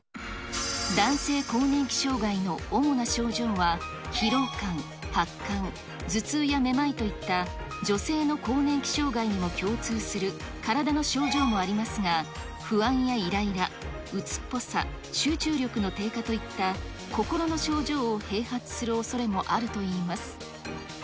男性更年期障害の主な症状は、疲労感、発汗、頭痛やめまいといった、女性の更年期障害にも共通する体の症状もありますが、不安やいらいら、うつっぽさ、集中力の低下といった、心の症状を併発するおそれもあるといいます。